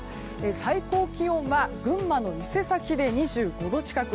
最高気温は群馬の伊勢崎で２５度近く。